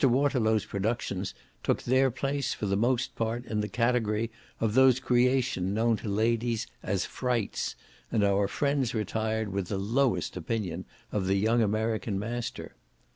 Waterlow's productions took their place for the most part in the category of those creations known to ladies as frights, and our friends retired with the lowest opinion of the young American master.